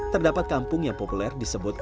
terdapat kampung yang populer disebut